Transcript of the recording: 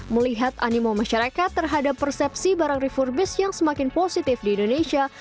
melihat animo masyarakat terhadap persepsi barang refurbish yang semakin positif di indonesia